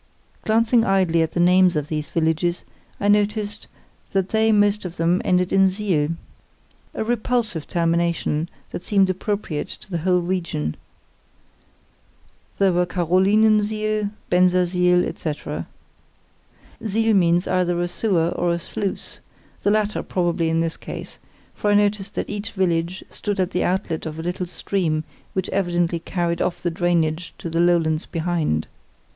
Glancing idly at the names of these villages, I noticed that they most of them ended in siel—a repulsive termination, that seemed appropriate to the whole region. There were Carolinensiel, Bensersiel, etc. Siel means either a sewer or a sluice, the latter probably in this case, for I noticed that each village stood at the outlet of a little stream which evidently carried off the drainage of the lowlands behind.